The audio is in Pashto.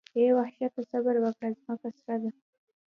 اې وحشته صبر وکړه ځمکه سره ده.